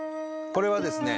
これはですね